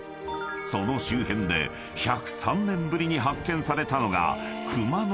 ［その周辺で１０３年ぶりに発見されたのが］